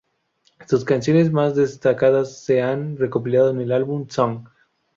Sus canciones más destacadas se han recopilado en el álbum "Songs".